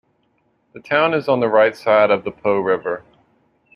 The town is on the right side of the Po river.